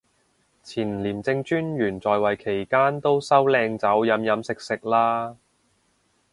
前廉政專員在位期間都收靚酒飲飲食食啦